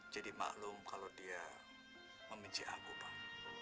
jadi maklum kalau dia membenci aku pak